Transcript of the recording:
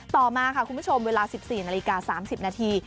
ต่อมาค่ะคุณผู้ชมเวลา๑๔นาฬิกา๓๐นาที